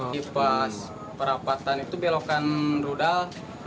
kipas perapatan itu belokan rudal